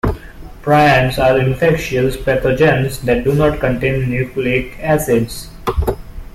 Prions are infectious pathogens that do not contain nucleic acids.